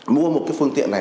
mua một cái phương tiện này